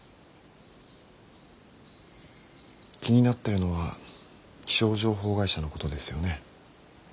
気になってるのは気象情報会社のことですよね。